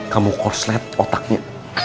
kamu korslet otaknya